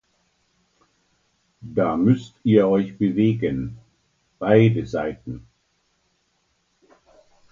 Da müsst ihr euch bewegen, beide Seiten!